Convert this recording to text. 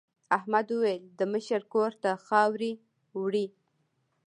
احمد وویل د مشر کور ته خاورې وړي.